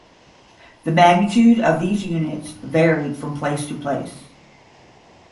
The magnitude of these units varied from place to place.